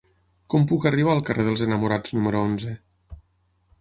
Com puc arribar al carrer dels Enamorats número onze?